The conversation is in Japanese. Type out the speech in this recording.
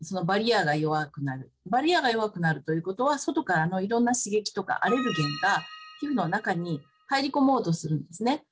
バリアが弱くなるということは外からのいろんな刺激とかアレルゲンが皮膚の中に入り込もうとするんですね。